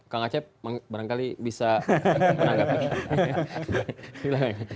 kang acep barangkali bisa menanggapinya